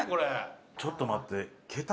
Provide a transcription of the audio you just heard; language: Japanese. ちょっと待って。